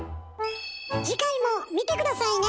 次回も見て下さいね！